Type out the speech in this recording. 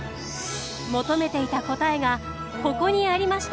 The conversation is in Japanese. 求めていた答えがここにありました。